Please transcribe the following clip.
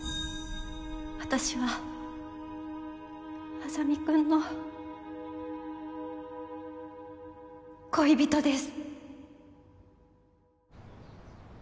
私は莇君の恋人です